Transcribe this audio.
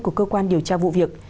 của cơ quan điều tra vụ việc